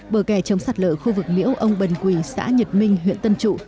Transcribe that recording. bờ kè chống sạt lở khu vực miễu ông bần quỳ xã nhật minh huyện tân trụ